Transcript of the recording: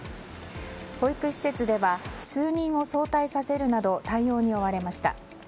保育施設では数人を早退させるなど対応に追われました。